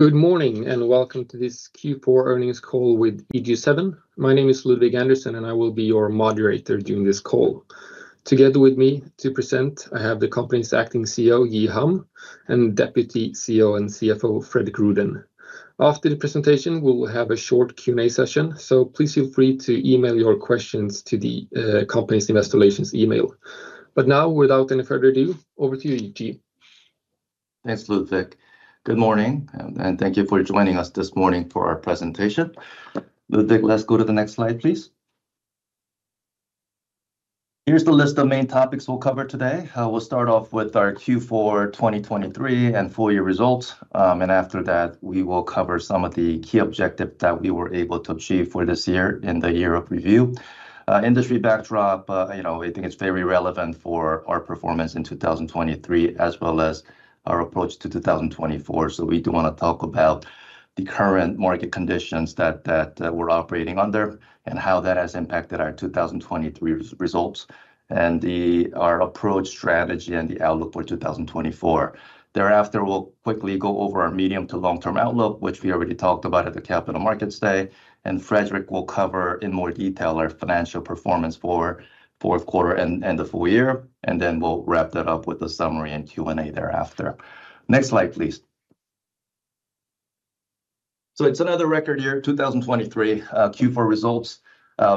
Good morning and welcome to this Q4 earnings call with EG7. My name is Ludvig Andersson and I will be your moderator during this call. Together with me to present I have the company's acting CEO Ji Ham and deputy CEO and CFO Fredrik Rüdén. After the presentation we'll have a short Q&A session so please feel free to email your questions to the company's investor relations email. But now without any further ado over to you Ji Ham. Thanks, Ludvig. Good morning, and thank you for joining us this morning for our presentation. Ludvig, let's go to the next slide, please. Here's the list of main topics we'll cover today. We'll start off with our Q4 2023 and full year results, and after that we will cover some of the key objective that we were able to achieve for this year in the year of review. Industry backdrop, you know, I think it's very relevant for our performance in 2023 as well as our approach to 2024. So we do want to talk about the current market conditions that we're operating under and how that has impacted our 2023 results and our approach strategy and the outlook for 2024. Thereafter we'll quickly go over our medium- to long-term outlook which we already talked about at the Capital Markets Day and Fredrik will cover in more detail our financial performance for fourth quarter and the full year and then we'll wrap that up with a summary and Q&A thereafter. Next slide please. So it's another record year 2023 Q4 results.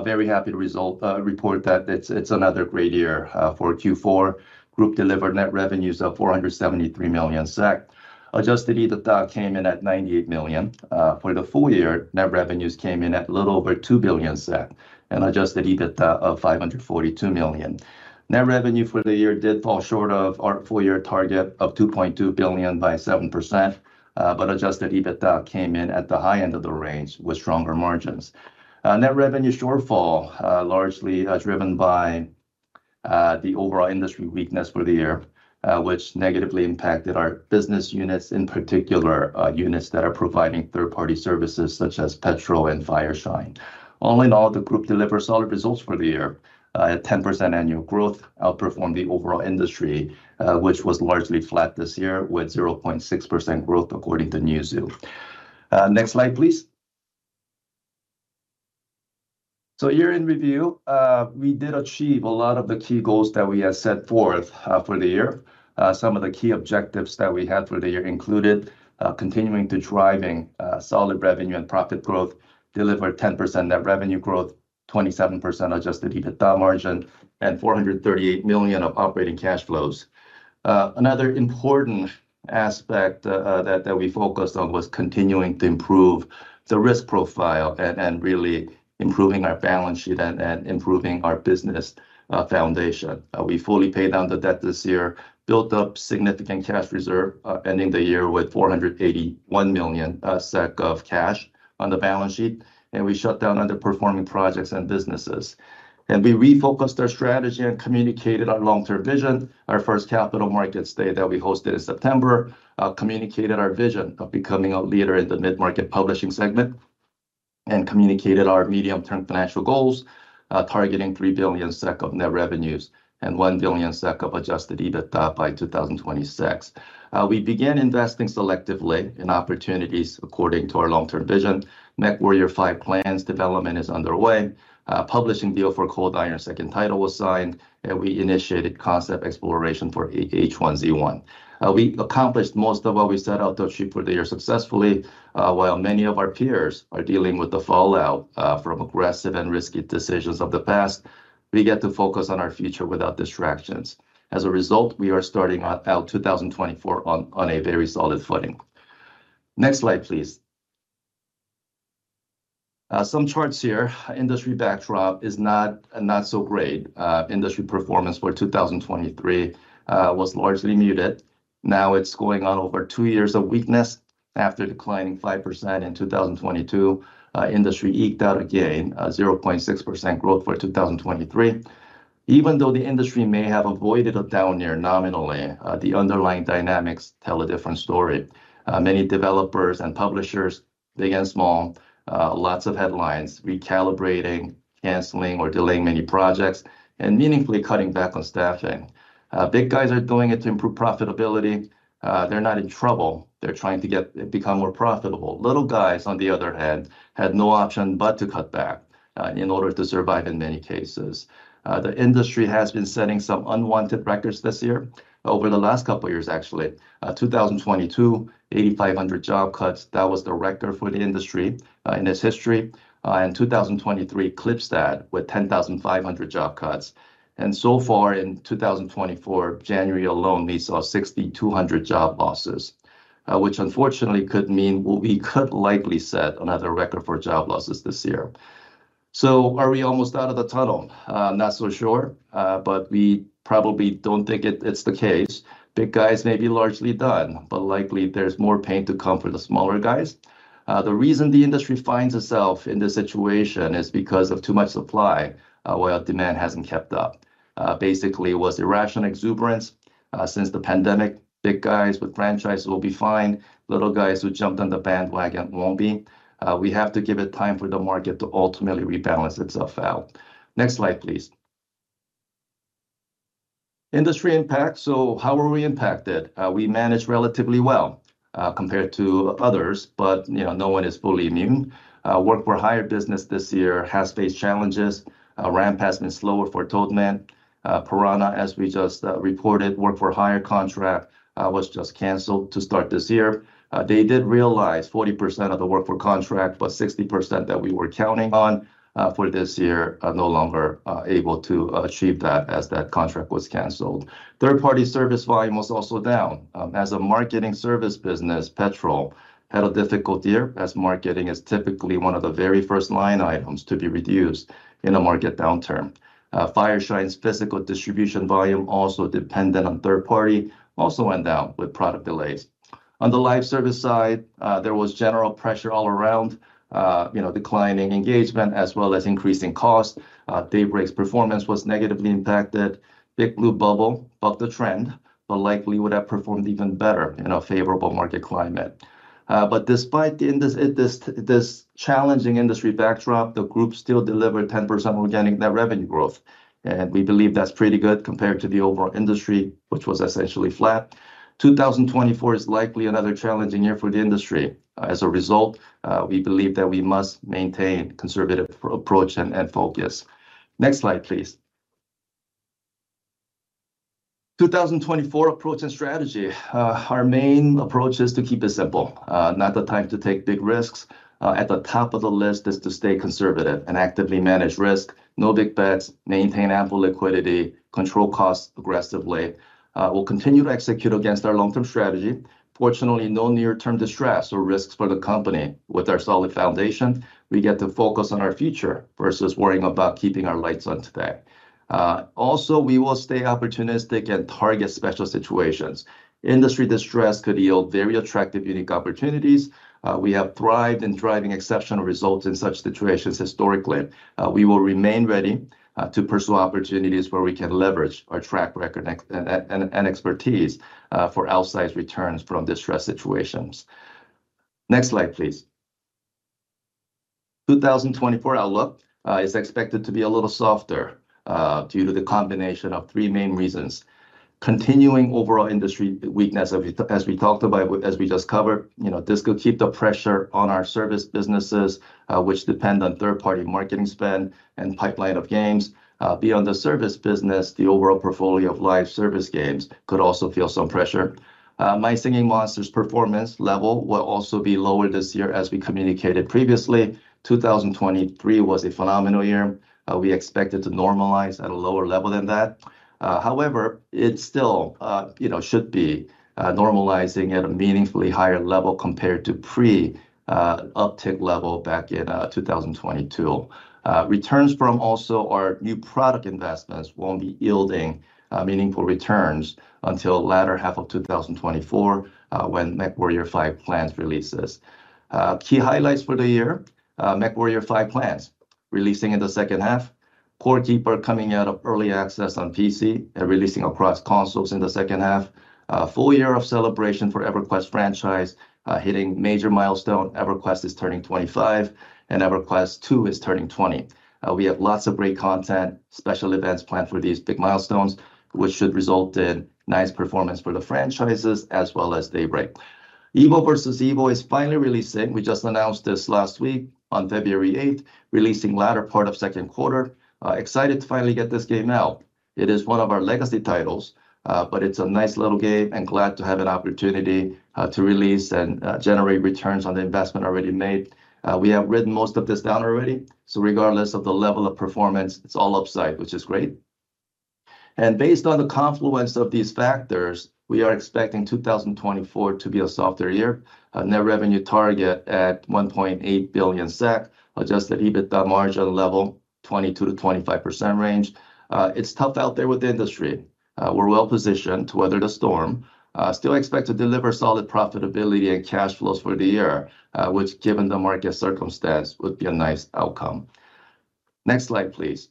Very happy to result report that it's another great year for Q4. Group delivered net revenues of 473 million SEK. Adjusted EBITDA came in at 98 million. For the full year net revenues came in at a little over 2 billion SEK and adjusted EBITDA of 542 million. Net revenue for the year did fall short of our full year target of 2.2 billion by 7% but adjusted EBITDA came in at the high end of the range with stronger margins. Net revenue shortfall largely driven by the overall industry weakness for the year which negatively impacted our business units in particular units that are providing third party services such as Petrol and Fireshine. All in all, the group delivered solid results for the year at 10% annual growth, outperformed the overall industry, which was largely flat this year with 0.6% growth according to Newzoo. Next slide please. So year in review, we did achieve a lot of the key goals that we had set forth for the year. Some of the key objectives that we had for the year included continuing to drive solid revenue and profit growth, delivered 10% net revenue growth, 27% adjusted EBITDA margin, and 438 million of operating cash flows. Another important aspect that we focused on was continuing to improve the risk profile and really improving our balance sheet and improving our business foundation. We fully paid down the debt this year, built up significant cash reserve, ending the year with 481 million SEK of cash on the balance sheet, and we shut down underperforming projects and businesses. We refocused our strategy and communicated our long-term vision. Our first Capital Markets Day that we hosted in September communicated our vision of becoming a leader in the mid-market publishing segment and communicated our medium-term financial goals, targeting 3 billion SEK of net revenues and 1 billion SEK of adjusted EBITDA by 2026. We began investing selectively in opportunities according to our long-term vision. MechWarrior 5: Clans development is underway. Publishing deal for Cold Iron 2nd title was signed, and we initiated concept exploration for H1Z1. We accomplished most of what we set out to achieve for the year successfully while many of our peers are dealing with the fallout from aggressive and risky decisions of the past. We get to focus on our future without distractions. As a result we are starting out 2024 on a very solid footing. Next slide please. Some charts here. Industry backdrop is not so great. Industry performance for 2023 was largely muted. Now it's going on over two years of weakness after declining 5% in 2022. Industry eked out a gain 0.6% growth for 2023. Even though the industry may have avoided a down year nominally the underlying dynamics tell a different story. Many developers and publishers, big and small, lots of headlines recalibrating, canceling or delaying many projects and meaningfully cutting back on staffing. Big guys are doing it to improve profitability. They're not in trouble. They're trying to become more profitable. Little guys on the other hand had no option but to cut back in order to survive in many cases. The industry has been setting some unwanted records this year over the last couple years actually. 2022, 8,500 job cuts that was the record for the industry in its history and 2023 eclipsed that with 10,500 job cuts. So far in 2024, January alone we saw 6,200 job losses which unfortunately could mean we could likely set another record for job losses this year. So are we almost out of the tunnel? Not so sure but we probably don't think it's the case. Big guys may be largely done but likely there's more pain to come for the smaller guys. The reason the industry finds itself in this situation is because of too much supply while demand hasn't kept up. Basically it was irrational exuberance since the pandemic. Big guys with franchises will be fine. Little guys who jumped on the bandwagon won't be. We have to give it time for the market to ultimately rebalance itself out. Next slide please. Industry impact. So how are we impacted? We manage relatively well compared to others, but you know no one is fully immune. Work-for-hire business this year has faced challenges. Ramp has been slower for Toadman. Piranha, as we just reported, work-for-hire contract was just canceled to start this year. They did realize 40% of the work-for-hire contract but 60% that we were counting on for this year no longer able to achieve that as that contract was canceled. Third-party service volume was also down. As a marketing service business, Petrol had a difficult year as marketing is typically one of the very first line items to be reduced in a market downturn. Fireshine's physical distribution volume, also dependent on third party, also went down with product delays. On the live service side, there was general pressure all around, you know, declining engagement as well as increasing costs. Daybreak's performance was negatively impacted. Big Blue Bubble bucked the trend but likely would have performed even better in a favorable market climate. But despite this challenging industry backdrop, the group still delivered 10% organic net revenue growth, and we believe that's pretty good compared to the overall industry, which was essentially flat. 2024 is likely another challenging year for the industry. As a result, we believe that we must maintain a conservative approach and focus. Next slide, please. 2024 approach and strategy. Our main approach is to keep it simple. Not the time to take big risks. At the top of the list is to stay conservative and actively manage risk. No big bets. Maintain ample liquidity. Control costs aggressively. We'll continue to execute against our long-term strategy. Fortunately no near-term distress or risks for the company with our solid foundation. We get to focus on our future versus worrying about keeping our lights on today. Also we will stay opportunistic and target special situations. Industry distress could yield very attractive unique opportunities. We have thrived in driving exceptional results in such situations historically. We will remain ready to pursue opportunities where we can leverage our track record and expertise for outsized returns from distress situations. Next slide, please. 2024 outlook is expected to be a little softer due to the combination of three main reasons. Continuing overall industry weakness as we talked about as we just covered, you know, this could keep the pressure on our service businesses which depend on third-party marketing spend and pipeline of games. Beyond the service business, the overall portfolio of live service games could also feel some pressure. My Singing Monsters performance level will also be lower this year as we communicated previously. 2023 was a phenomenal year. We expected to normalize at a lower level than that. However, it still, you know, should be normalizing at a meaningfully higher level compared to pre-uptick level back in 2022. Returns from also our new product investments won't be yielding meaningful returns until latter half of 2024 when MechWarrior 5: Clans releases. Key highlights for the year: MechWarrior 5: Clans releasing in the second half. Core Keeper coming out of early access on PC and releasing across consoles in the second half. Full year of celebration for EverQuest franchise hitting major milestone. EverQuest is turning 25 and EverQuest 2 is turning 20. We have lots of great content special events planned for these big milestones which should result in nice performance for the franchises as well as Daybreak. EvilVEvil is finally releasing. We just announced this last week on February 8th releasing latter part of second quarter. Excited to finally get this game out. It is one of our legacy titles but it's a nice little game and glad to have an opportunity to release and generate returns on the investment already made. We have written most of this down already so regardless of the level of performance it's all upside which is great. Based on the confluence of these factors we are expecting 2024 to be a softer year. Net revenue target at 1.8 billion SEK adjusted EBITDA margin level 22%-25% range. It's tough out there with the industry. We're well positioned to weather the storm. Still expect to deliver solid profitability and cash flows for the year which given the market circumstance would be a nice outcome. Next slide please.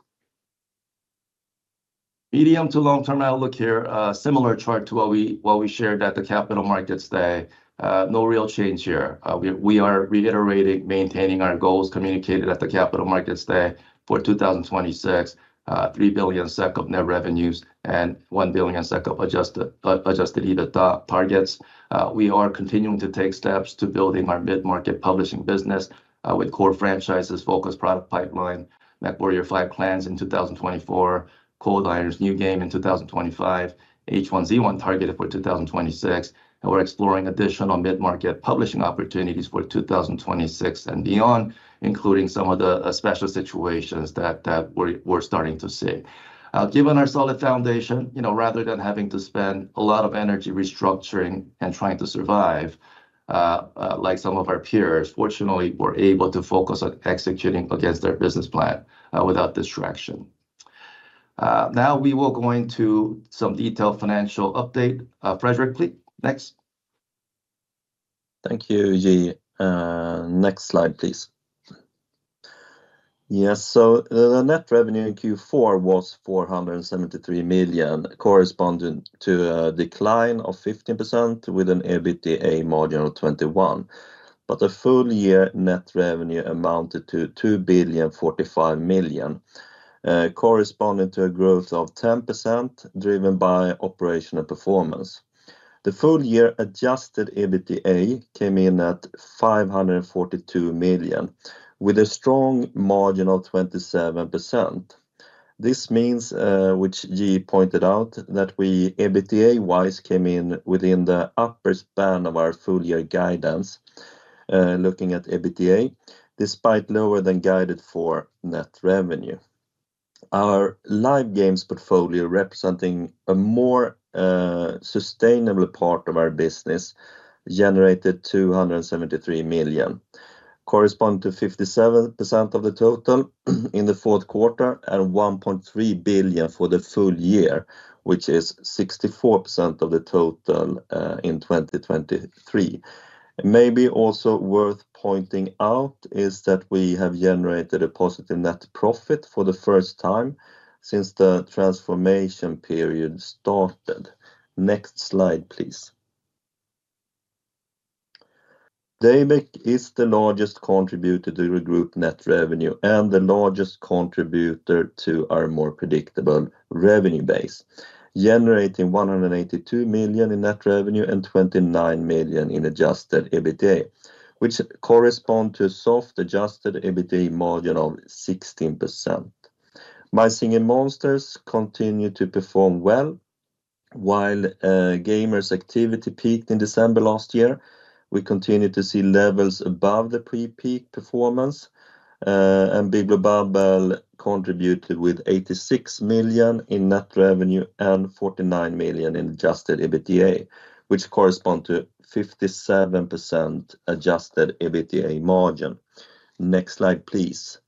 Medium to long term outlook here. Similar chart to what we shared at the Capital Markets Day. No real change here. We are reiterating maintaining our goals communicated at the Capital Markets Day for 2026 3 billion SEK of net revenues and 1 billion SEK of adjusted EBITDA targets. We are continuing to take steps to building our mid-market publishing business with core franchises focused product pipeline. MechWarrior 5: Clans in 2024. Cold Iron's new game in 2025. H1Z1 targeted for 2026 and we're exploring additional mid-market publishing opportunities for 2026 and beyond including some of the special situations that we're starting to see. Given our solid foundation you know rather than having to spend a lot of energy restructuring and trying to survive like some of our peers fortunately we're able to focus on executing against our business plan without distraction. Now we will go into some detailed financial update. Fredrik, please, next. Thank you, Ji. Next slide, please. Yes, so the net revenue in Q4 was 473 million, corresponding to a decline of 15% with an EBITDA margin of 21%, but the full year net revenue amounted to 2,045 million, corresponding to a growth of 10% driven by operational performance. The full year adjusted EBITDA came in at 542 million with a strong margin of 27%. This means, which Ji pointed out, that we EBITDA-wise came in within the upper span of our full year guidance looking at EBITDA despite lower than guided for net revenue. Our live games portfolio, representing a more sustainable part of our business, generated 273 million, corresponding to 57% of the total in the fourth quarter and 1.3 billion for the full year, which is 64% of the total in 2023. Maybe also worth pointing out is that we have generated a positive net profit for the first time since the transformation period started. Next slide please. Daybreak is the largest contributor to the group net revenue and the largest contributor to our more predictable revenue base generating 182 million in net revenue and 29 million in Adjusted EBITDA which correspond to a solid Adjusted EBITDA margin of 16%. My Singing Monsters continue to perform well while gamers activity peaked in December last year. We continue to see levels above the pre-peak performance and Big Blue Bubble contributed with 86 million in net revenue and 49 million in Adjusted EBITDA which correspond to 57% Adjusted EBITDA margin. Next slide please.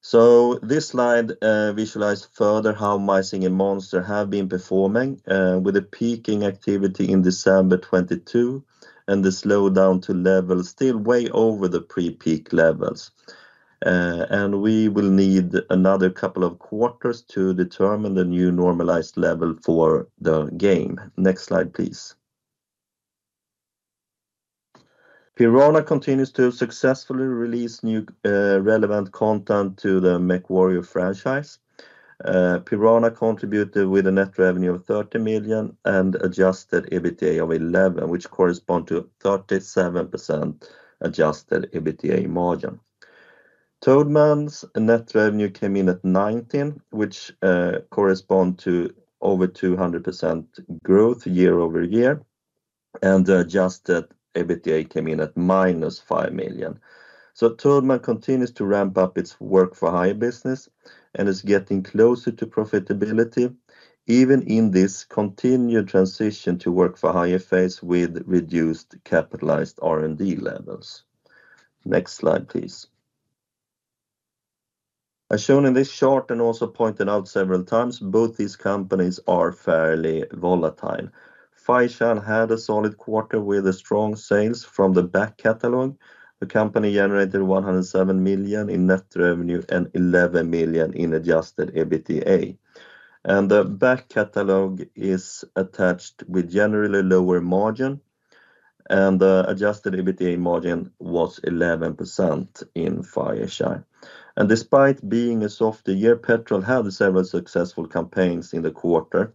So this slide visualizes further how My Singing Monsters have been performing with a peaking activity in December 2022 and the slowdown to levels still way over the pre-peak levels. We will need another couple of quarters to determine the new normalized level for the game. Next slide please. Piranha continues to successfully release new relevant content to the MechWarrior franchise. Piranha contributed with a net revenue of 30 million and adjusted EBITDA of 11 million which correspond to 37% adjusted EBITDA margin. Toadman's net revenue came in at 19 million which correspond to over 200% growth year-over-year and the adjusted EBITDA came in at -5 million. Toadman continues to ramp up its work-for-hire business and is getting closer to profitability even in this continued transition to work-for-hire phase with reduced capitalized R&D levels. Next slide please. As shown in this chart and also pointed out several times, both these companies are fairly volatile. Fireshine had a solid quarter with strong sales from the back catalog. The company generated 107 million in net revenue and 11 million in adjusted EBITDA, and the back catalog is associated with generally lower margin, and the adjusted EBITDA margin was 11% in Fireshine. Despite being a softer year, Petrol had several successful campaigns in the quarter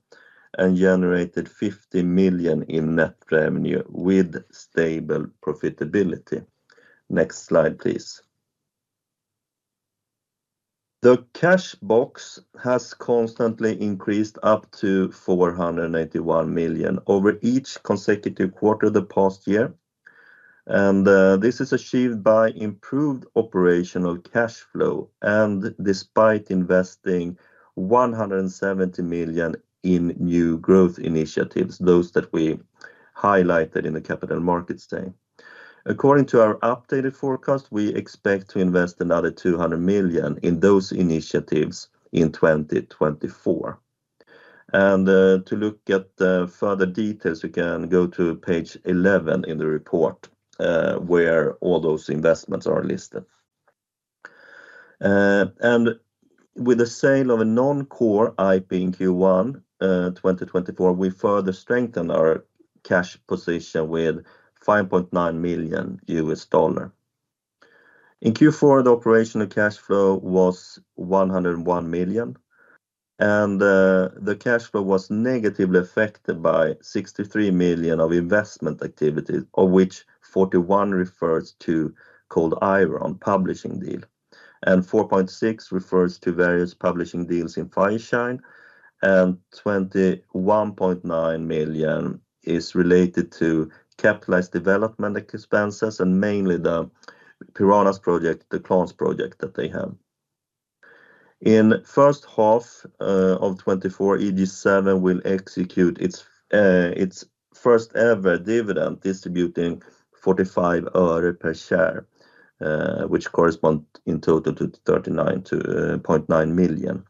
and generated 50 million in net revenue with stable profitability. Next slide please. The cash balance has constantly increased up to 481 million over each consecutive quarter the past year, and this is achieved by improved operational cash flow and despite investing 170 million in new growth initiatives, those that we highlighted in the Capital Markets Day. According to our updated forecast we expect to invest another 200 million in those initiatives in 2024. To look at further details you can go to page 11 in the report where all those investments are listed. With the sale of a non-core IP in Q1 2024 we further strengthened our cash position with $5.9 million. In Q4 the operational cash flow was 101 million and the cash flow was negatively affected by 63 million of investment activity of which 41 million refers to Cold Iron publishing deal and 4.6 million refers to various publishing deals in Fireshine and 21.9 million is related to capitalized development expenses and mainly the Piranha's project the Clans project that they have. In first half of 2024 EG7 will execute its first ever dividend distributing 45 öre per share which correspond in total to 39.9 million.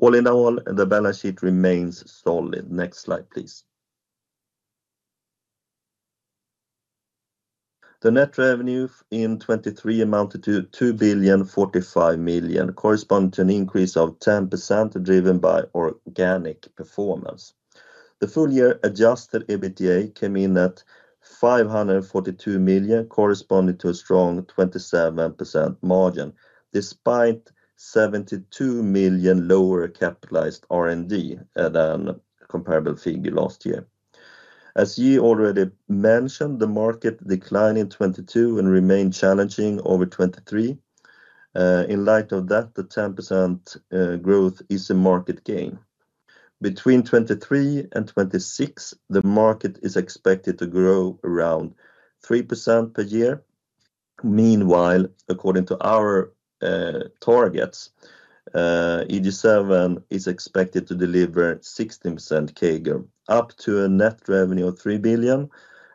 All in all the balance sheet remains solid. Next slide please. The net revenue in 2023 amounted to 2,045 million corresponding to an increase of 10% driven by organic performance. The full year Adjusted EBITDA came in at 542 million corresponding to a strong 27% margin despite 72 million lower capitalized R&D than comparable figure last year. As Ji already mentioned the market declined in 2022 and remained challenging over 2023. In light of that the 10% growth is a market gain. Between 2023 and 2026 the market is expected to grow around 3% per year. Meanwhile according to our targets EG7 is expected to deliver 60% CAGR up to a net revenue of 3 billion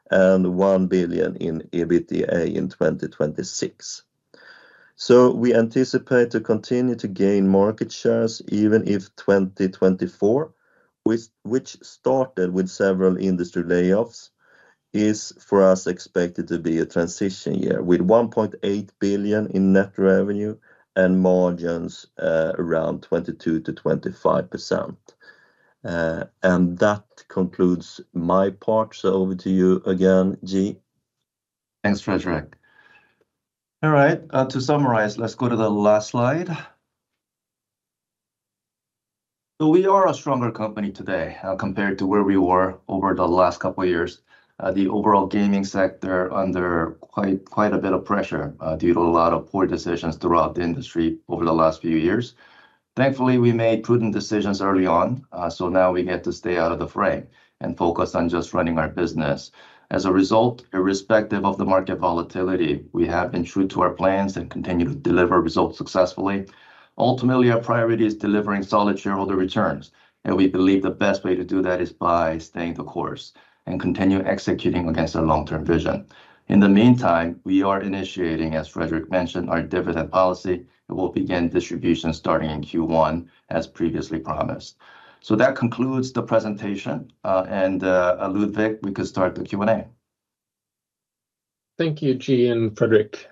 and 1 billion in EBITDA in 2026. So we anticipate to continue to gain market shares even if 2024 which started with several industry layoffs is for us expected to be a transition year with 1.8 billion in net revenue and margins around 22%-25%. And that concludes my part so over to you again Ji. Thanks, Fredrik. All right, to summarize, let's go to the last slide. So we are a stronger company today compared to where we were over the last couple of years. The overall gaming sector under quite quite a bit of pressure due to a lot of poor decisions throughout the industry over the last few years. Thankfully we made prudent decisions early on so now we get to stay out of the frame and focus on just running our business. As a result, irrespective of the market volatility, we have been true to our plans and continue to deliver results successfully. Ultimately, our priority is delivering solid shareholder returns, and we believe the best way to do that is by staying the course and continuing to execute against our long-term vision. In the meantime, we are initiating, as Fredrik mentioned, our dividend policy. It will begin distribution starting in Q1, as previously promised. So that concludes the presentation, and Ludvig, we could start the Q&A. Thank you, Ji and Fredrik.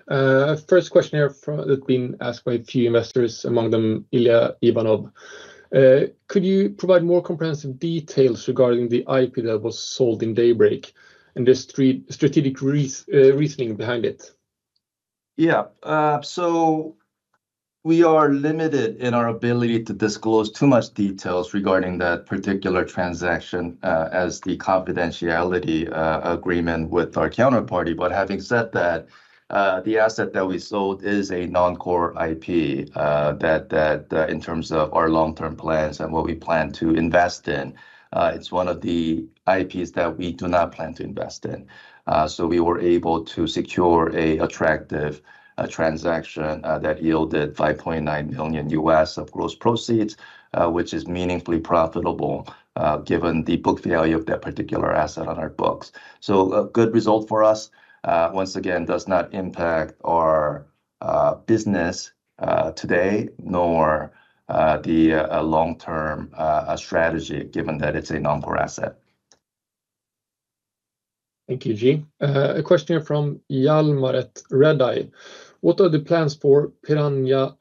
First question here from that's been asked by a few investors among them Ilya Ivanov. Could you provide more comprehensive details regarding the IP that was sold in Daybreak and the strategic reasoning behind it? Yeah, so we are limited in our ability to disclose too much details regarding that particular transaction as the confidentiality agreement with our counterparty, but having said that, the asset that we sold is a non-core IP that in terms of our long-term plans and what we plan to invest in, it's one of the IPs that we do not plan to invest in. So we were able to secure an attractive transaction that yielded $5.9 million of gross proceeds, which is meaningfully profitable given the book value of that particular asset on our books. So a good result for us once again does not impact our business today nor the long-term strategy given that it's a non-core asset. Thank you Ji. A question here from Hjalmar Ahlberg. What are the plans for Piranha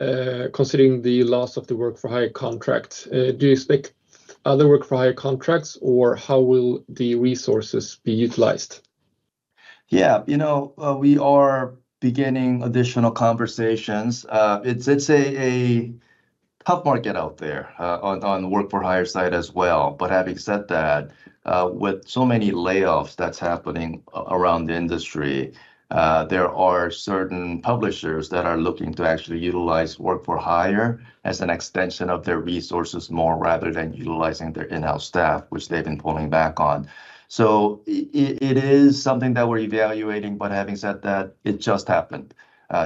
considering the loss of the work for hire contract? Do you expect other work for hire contracts or how will the resources be utilized? Yeah, you know, we are beginning additional conversations. It's a tough market out there on the work for hire side as well, but having said that, with so many layoffs that's happening around the industry, there are certain publishers that are looking to actually utilize work for hire as an extension of their resources more rather than utilizing their in-house staff which they've been pulling back on. So it is something that we're evaluating, but having said that, it just happened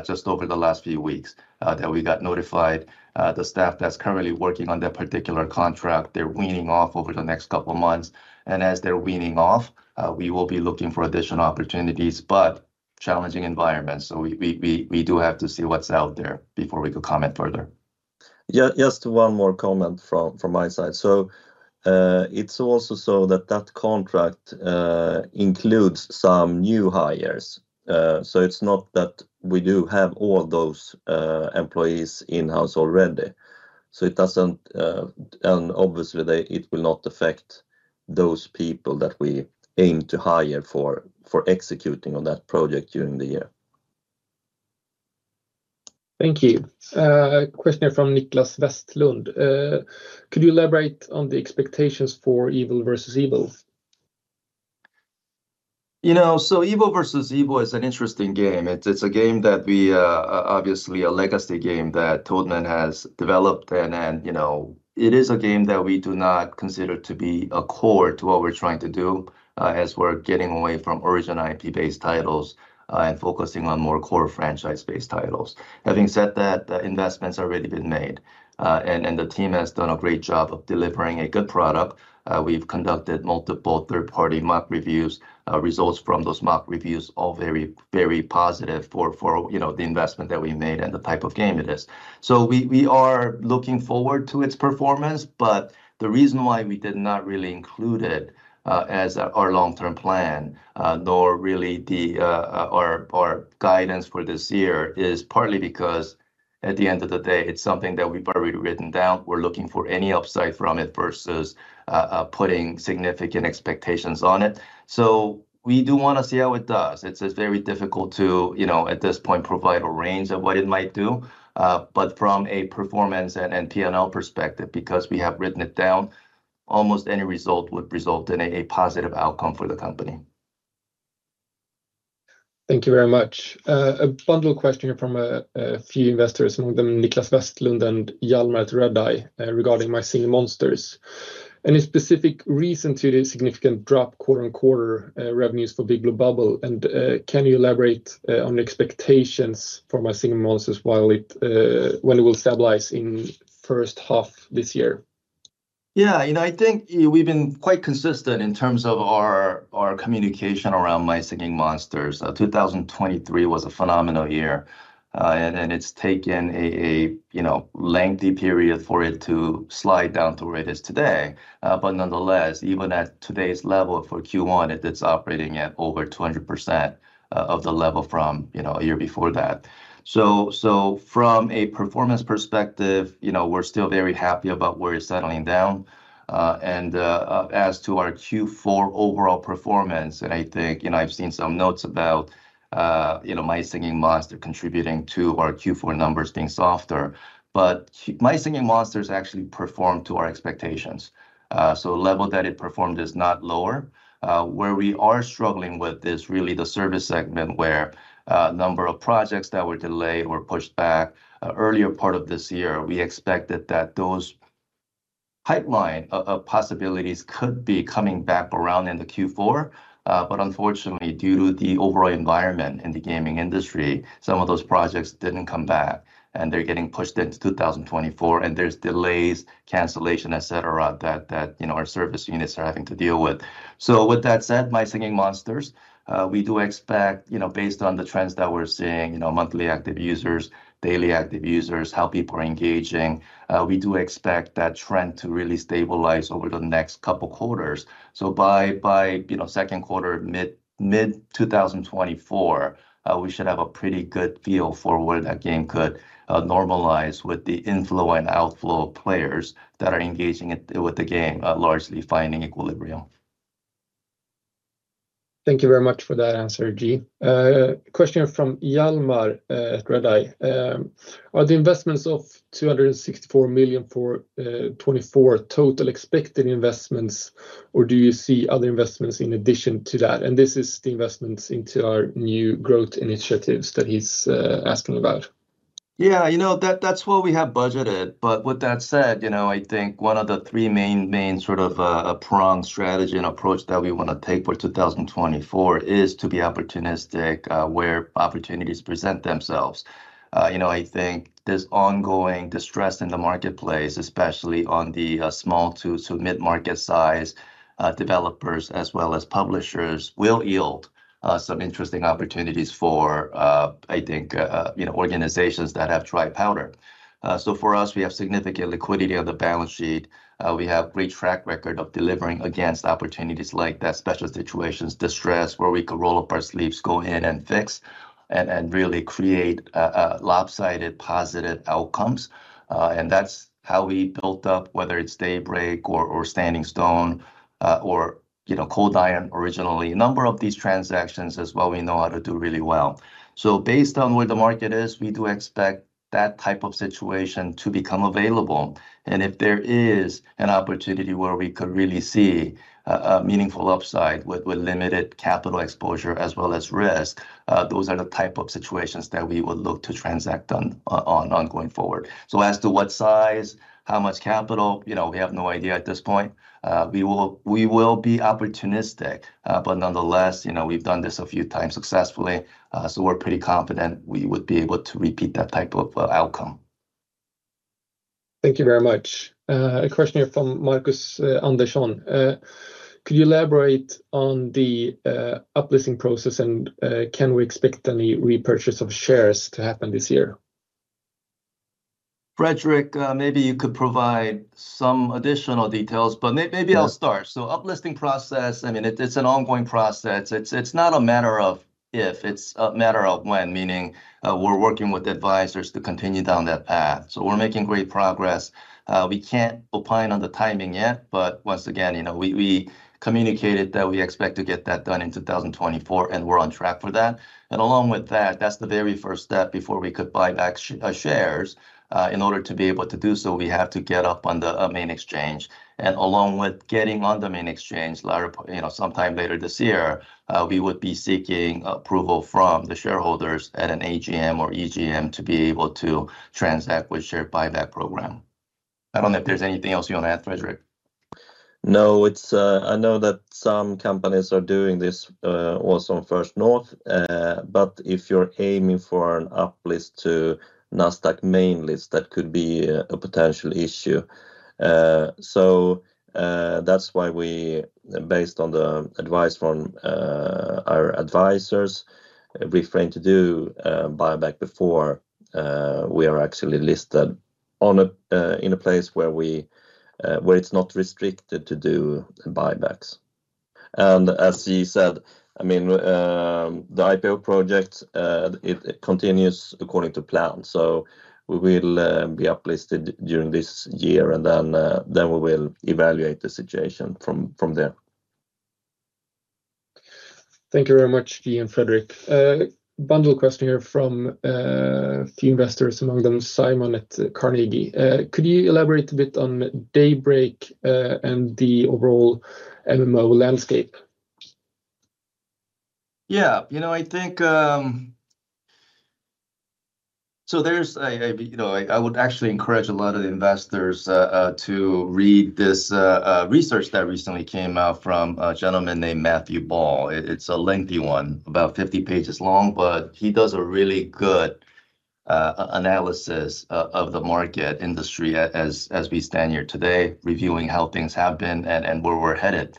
just over the last few weeks that we got notified the staff that's currently working on that particular contract they're weaning off over the next couple of months, and as they're weaning off we will be looking for additional opportunities but challenging environments, so we do have to see what's out there before we could comment further. Just one more comment from my side. So it's also so that that contract includes some new hires. So it's not that we do have all those employees in-house already. So it doesn't and obviously they it will not affect those people that we aim to hire for executing on that project during the year. Thank you. A question here from Niklas Westlund. Could you elaborate on the expectations for EvilVEvil? You know, so Evil versus Evil is an interesting game. It's a game that we obviously a legacy game that Toadman has developed and you know it is a game that we do not consider to be a core to what we're trying to do as we're getting away from original IP based titles and focusing on more core franchise based titles. Having said that the investments have already been made and the team has done a great job of delivering a good product. We've conducted multiple third party mock reviews. Results from those mock reviews all very very positive for you know the investment that we made and the type of game it is. So we are looking forward to its performance but the reason why we did not really include it as our long term plan nor really our guidance for this year is partly because at the end of the day it's something that we've already written down. We're looking for any upside from it versus putting significant expectations on it. So we do want to see how it does. It's very difficult to you know at this point provide a range of what it might do but from a performance and P&L perspective because we have written it down almost any result would result in a positive outcome for the company. Thank you very much. A bundle question here from a few investors among them Niklas Westlund and Hjalmar Ahlberg regarding My Singing Monsters. Any specific reason to the significant drop quarter-on-quarter revenues for Big Blue Bubble and can you elaborate on the expectations for My Singing Monsters while it when it will stabilize in first half this year? Yeah, you know, I think we've been quite consistent in terms of our communication around My Singing Monsters. 2023 was a phenomenal year, and it's taken a you know lengthy period for it to slide down to where it is today. But nonetheless, even at today's level for Q1, it's operating at over 200% of the level from you know a year before that. So from a performance perspective, you know, we're still very happy about where it's settling down, and as to our Q4 overall performance, and I think you know I've seen some notes about you know My Singing Monsters contributing to our Q4 numbers being softer, but My Singing Monsters actually performed to our expectations. So the level that it performed is not lower. Where we are struggling with is really the service segment where a number of projects that were delayed or pushed back earlier part of this year. We expected that those pipeline possibilities could be coming back around in the Q4, but unfortunately due to the overall environment in the gaming industry some of those projects didn't come back and they're getting pushed into 2024 and there's delays, cancellation, et cetera that you know our service units are having to deal with. So with that said, My Singing Monsters, we do expect you know based on the trends that we're seeing you know monthly active users, daily active users, how people are engaging we do expect that trend to really stabilize over the next couple quarters. So by, you know, second quarter mid-2024, we should have a pretty good feel for where that game could normalize with the inflow and outflow of players that are engaging with the game largely finding equilibrium. Thank you very much for that answer, Ji. A question here from Hjalmar Ahlberg. Are the investments of 264 million for 24 total expected investments or do you see other investments in addition to that and this is the investments into our new growth initiatives that he's asking about? Yeah, you know, that that's what we have budgeted, but with that said, you know, I think one of the three main sort of pronged strategy and approach that we want to take for 2024 is to be opportunistic where opportunities present themselves. You know, I think this ongoing distress in the marketplace, especially on the small to mid-market size developers as well as publishers, will yield some interesting opportunities for, I think, you know, organizations that have dry powder. So for us, we have significant liquidity on the balance sheet. We have great track record of delivering against opportunities like that, special situations, distress, where we could roll up our sleeves, go in and fix and really create lopsided positive outcomes. That's how we built up whether it's Daybreak or Standing Stone or you know Cold Iron originally a number of these transactions as well we know how to do really well. So based on where the market is we do expect that type of situation to become available and if there is an opportunity where we could really see meaningful upside with limited capital exposure as well as risk those are the type of situations that we would look to transact on going forward. So as to what size how much capital you know we have no idea at this point. We will be opportunistic but nonetheless you know we've done this a few times successfully so we're pretty confident we would be able to repeat that type of outcome. Thank you very much. A question here from Marcus Andersson. Could you elaborate on the uplisting process and can we expect any repurchase of shares to happen this year? Fredrik, maybe you could provide some additional details, but maybe I'll start. So, uplisting process—I mean, it's an ongoing process. It's not a matter of if; it's a matter of when, meaning we're working with advisors to continue down that path. So, we're making great progress. We can't opine on the timing yet, but once again, you know, we communicated that we expect to get that done in 2024, and we're on track for that. And along with that, that's the very first step before we could buy back shares. In order to be able to do so, we have to get up on the main exchange, and along with getting on the main exchange later, you know, sometime later this year, we would be seeking approval from the shareholders at an AGM or EGM to be able to transact with share buyback program. I don't know if there's anything else you want to add, Fredrik. No, it's—I know that some companies are doing this also on First North, but if you're aiming for an uplist to NASDAQ main list, that could be a potential issue. So that's why we, based on the advice from our advisors, refrain to do buyback before we are actually listed on a in a place where it's not restricted to do buybacks. And as he said, I mean, the IPO project it continues according to plan, so we will be uplisted during this year and then we will evaluate the situation from there. Thank you very much Ji and Fredrik. A bundle question here from a few investors among them Simon at Carnegie. Could you elaborate a bit on Daybreak and the overall MMO landscape? Yeah, you know, I think so. There's I, you know, I would actually encourage a lot of investors to read this research that recently came out from a gentleman named Matthew Ball. It's a lengthy one about 50 pages long, but he does a really good analysis of the market industry as we stand here today reviewing how things have been and where we're headed.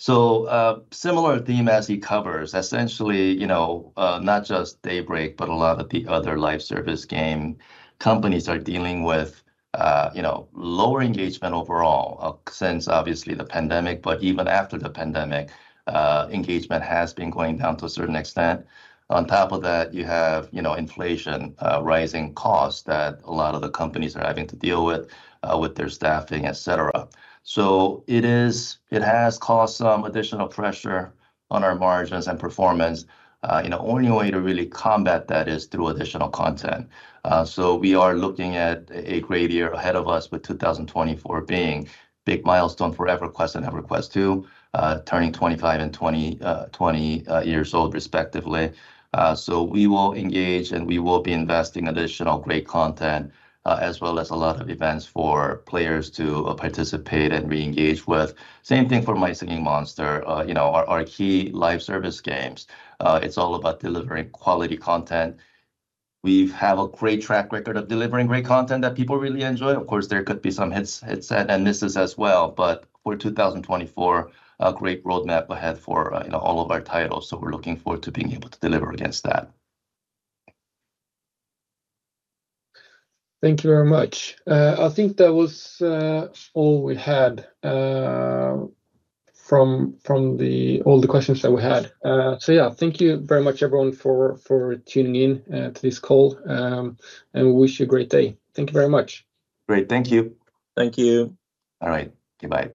So similar theme as he covers essentially, you know, not just Daybreak but a lot of the other live service game companies are dealing with, you know, lower engagement overall since obviously the pandemic, but even after the pandemic engagement has been going down to a certain extent. On top of that, you have, you know, inflation, rising costs that a lot of the companies are having to deal with with their staffing et cetera. So it has caused some additional pressure on our margins and performance. You know, only way to really combat that is through additional content. So we are looking at a great year ahead of us with 2024 being a big milestone for EverQuest and EverQuest 2 turning 25 and 20 years old respectively. So we will engage and we will be investing additional great content as well as a lot of events for players to participate and reengage with. Same thing for My Singing Monsters, you know, our key live service games. It's all about delivering quality content. We have a great track record of delivering great content that people really enjoy. Of course there could be some hits and misses as well, but for 2024 a great roadmap ahead for you know all of our titles. We're looking forward to being able to deliver against that. Thank you very much. I think that was all we had from all the questions that we had. So yeah, thank you very much everyone for tuning in to this call, and we wish you a great day. Thank you very much. Great thank you. Thank you. All right. Goodbye.